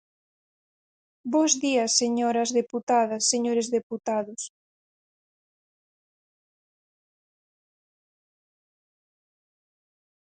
Bos días señoras deputadas, señores deputados.